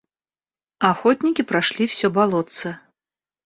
Охотники прошли всё болотце.